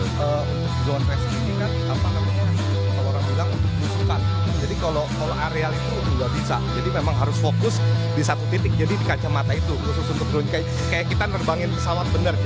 untuk drone racing ini kan apa namanya orang bilang untuk melusukan jadi kalau area itu gak bisa jadi memang harus fokus di satu titik jadi di kacamata itu khusus untuk drone kayak kita nerbangin pesawat bener